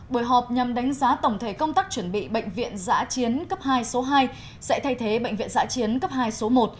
buổi họp nhằm đánh giá tổng thể công tác chuẩn bị bệnh viện giã chiến cấp hai số hai sẽ thay thế bệnh viện giã chiến cấp hai số một